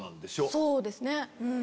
そうですね。